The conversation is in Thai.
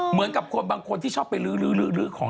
เหมือนกับคนบางคนที่ชอบไปลื้อของ